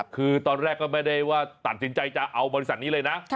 คือตอนแรกก็ไม่ได้ว่าตัดสินใจจะเอาบริษัทนี้เลยนะ